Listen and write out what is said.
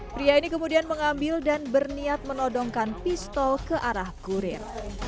pria ini kemudian mengambil dan berniat menodongkan pistol ke arah kurir